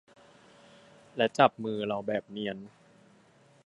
และจับมือเราแบบเนียน